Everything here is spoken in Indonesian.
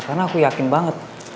karena aku yakin banget